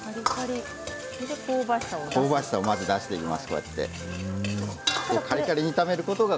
香ばしさを、まず出しています。